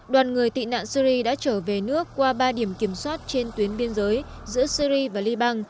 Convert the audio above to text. đoàn người tị nạn syri đã trở về nước qua ba điểm kiểm soát trên tuyến biên giới giữa syri và liban